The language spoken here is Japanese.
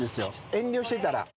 遠慮してたら。